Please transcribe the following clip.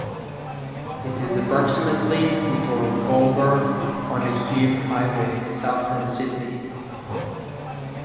It is approximately before Goulburn on the Hume Highway south from Sydney.